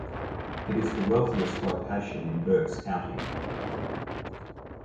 It is the wealthiest location in Berks County.